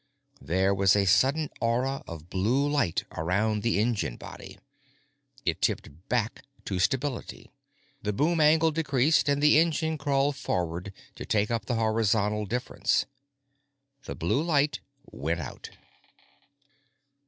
There was a sudden aura of blue light around the engine body. It tipped back to stability. The boom angle decreased, and the engine crawled forward to take up the horizontal difference. The blue light went out.